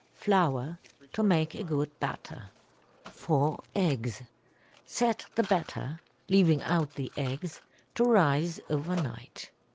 Flour to make a good batter. 4 eggs. Set the batter—leaving out the eggs—to rise over night.